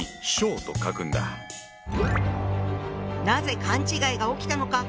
なぜ勘違いが起きたのか。